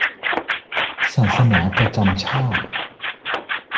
ศาสนาประจำชาติ